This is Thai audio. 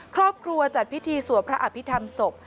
ครอบครัวจัดพิธีสวดพระอภิษฐรรมศพ